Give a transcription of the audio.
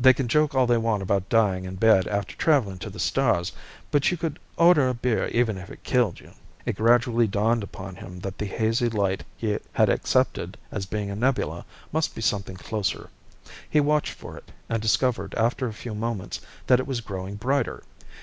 _They can joke all they want about dying in bed after traveling to the stars; but you could order a beer even if it killed you._ It gradually dawned upon him that the hazy light he had accepted as being a nebula must be something closer. He watched for it, and discovered after a few moments that it was growing brighter.